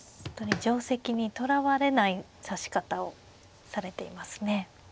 定跡にとらわれない指し方をされていますね。